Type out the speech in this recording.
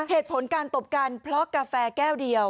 เหตุผลการตบกันเพราะกาแฟแก้วเดียว